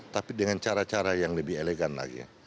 tapi dengan cara cara yang lebih elegan lagi ya